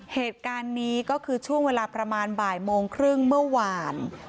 เหตุการณ์นี้ก็คือช่วงเวลาประมาณบ่ายโมงครึ่งเมื่อวาน